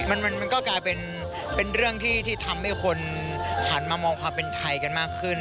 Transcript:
มันก็กลายเป็นเรื่องที่ทำให้คนหันมามองความเป็นไทยกันมากขึ้น